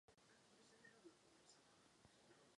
Vyzývám proto Komisi, aby jí tento status udělila.